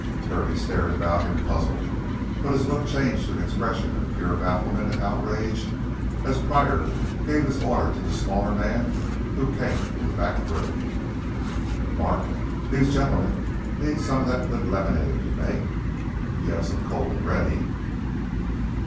Kirby stared about him puzzled, but his look changed to an expression of pure bafflement and outrage as Pryor gave his order to the smaller man who came from a back room. "Mark, these gentlemen need some of that good lemonade you make if you have some cold and ready."